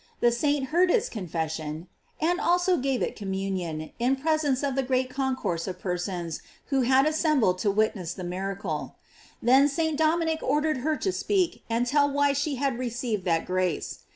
The saint heard its confession, and also gave it communion, in presence of a great concourse of persons who had assembled to to witness the miracle. Then, St. Dominic or dered her to speak and tell why she had receiv ed that grace.